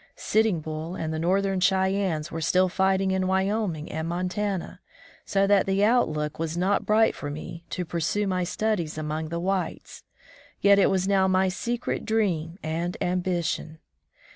Sitting Bull and the Northern Cheyennes were still fighting in Wyoming and Montana, so that the outlook was not bright for me to piu sue my studies among the whites, yet it was now my secret dream and ambi tion.